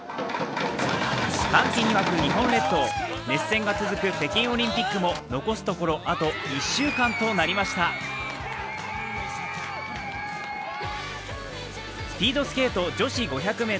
熱戦が続く北京オリンピックも残すところあと１週間となりましたスピードスケート女子５００ｍ。